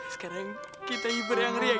sekarang kita ibu yang ngeriak